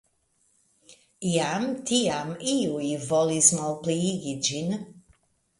Jam tiam iuj volis malpliigi ĝin.